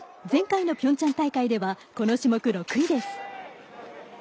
前回のピョンチャン大会ではこの種目６位です。